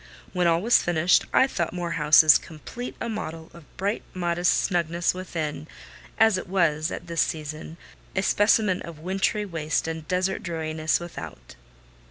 When all was finished, I thought Moor House as complete a model of bright modest snugness within, as it was, at this season, a specimen of wintry waste and desert dreariness without.